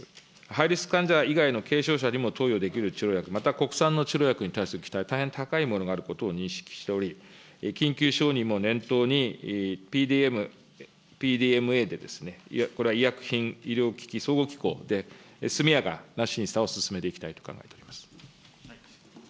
ハイリスク患者以外の軽症者にも投与できる治療薬、また国産の治療薬に対する期待、大変高いものがあることは認識しており、緊急承認も念頭に、ＰＤＭＡでこれは医薬品医療機器総合機構で、速やかな審査を進めていきたいと考えております。